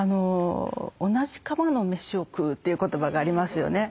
「同じ釜の飯を食う」という言葉がありますよね。